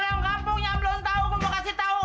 hei orang orang kampung yang belum tahu gue mau kasih tahu